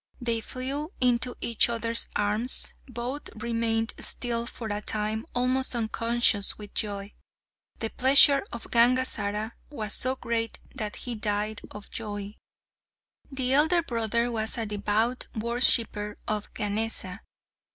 They flew into each other's arms. Both remained still for a time almost unconscious with joy. The pleasure of Gangazara was so great that he died of joy. The elder brother was a devout worshipper of Ganesa.